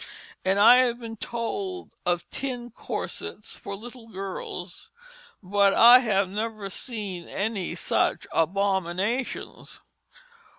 And I have been told of tin corsets for little girls, but I have never seen any such abominations.